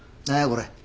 これ。